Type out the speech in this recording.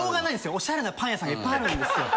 オシャレなパン屋さんがいっぱいあるんです。